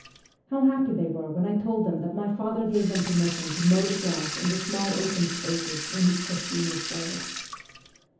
How happy they were when I told them that my father gave them permission to mow the grass in the small open spaces in his K6stino forest